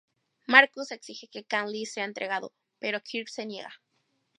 Marcus exige que Khan le sea entregado, pero Kirk se niega.